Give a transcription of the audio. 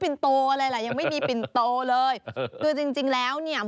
นี่หิ้วปินโตมาใช่ไหม